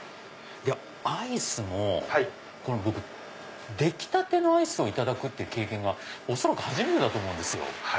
アイスも僕出来たてのアイスをいただくっていう経験が恐らく初めてだと思うんですよ。